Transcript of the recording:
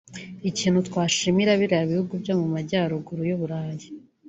“Ikintu twashimira biriya bihugu byo mu majyaruguru y’Uburayi